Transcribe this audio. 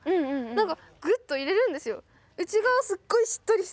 なんかグッと入れるんですよ。